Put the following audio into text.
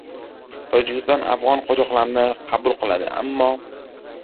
Tojikiston afg‘on qochoqlarini qabul qiladi, ammo...